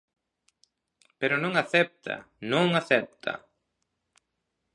Pero non acepta, non acepta.